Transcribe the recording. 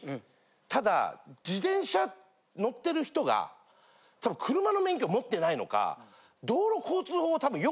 ただ自転車乗ってる人がたぶん車の免許持ってないのか。